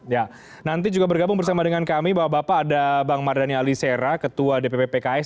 ya nanti juga bergabung bersama dengan kami bapak ada bang mardhani alisera ketua dpp pks